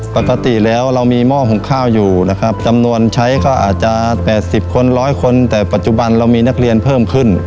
ปกติแล้วเรามีหม้อหุงข้าวอยู่นะครับจำนวนใช้ก็อาจจะ๘๐คน๑๐๐คนแต่ปัจจุบันเรามีนักเรียนเพิ่มขึ้น